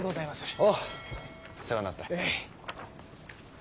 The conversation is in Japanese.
あぁ世話になった。